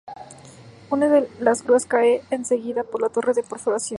Una de las grúas cae, seguida por la torre de perforación.